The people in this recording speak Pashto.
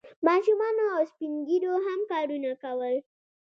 ماشومانو او سپین ږیرو هم کارونه کول.